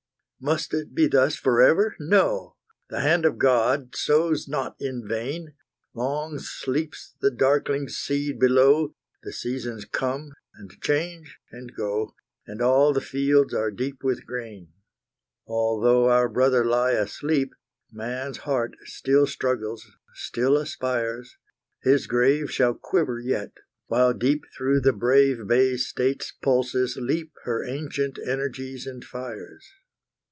Must it be thus forever? No! The hand of God sows not in vain; Long sleeps the darkling seed below, The seasons come, and change, and go, And all the fields are deep with grain. Although our brother lie asleep, Man's heart still struggles, still aspires; His grave shall quiver yet, while deep Through the brave Bay State's pulses leap Her ancient energies and fires.